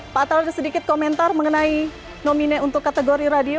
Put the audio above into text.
pak atal ada sedikit komentar mengenai nomine untuk kategori radio